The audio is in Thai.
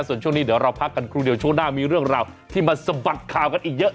ส่วนช่วงนี้เดี๋ยวเราพักกันครู่เดียวช่วงหน้ามีเรื่องราวที่มาสะบัดข่าวกันอีกเยอะ